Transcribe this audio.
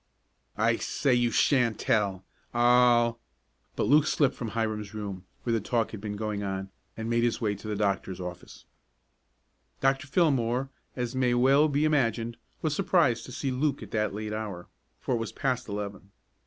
"I say you shan't tell. I'll " But Luke slipped from Hiram's room, where the talk had been going on, and made his way to the doctor's office. Dr. Fillmore, as may well be imagined, was surprised to see Luke at that late hour, for it was past eleven.